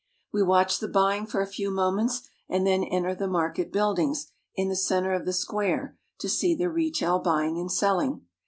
We watch the buying for a few moments and then F enter the market buildings, in the center of the square, to fcsee the retail buying and selling.